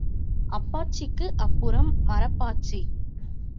அப்பாச்சிக்கு அப்புறம் மரப்பாச்சி.